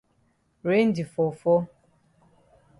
Rain di fall fall.